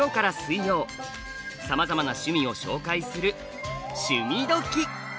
さまざまな趣味を紹介する「趣味どきっ！」